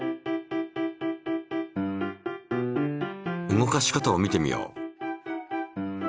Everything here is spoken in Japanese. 動かし方を見てみよう。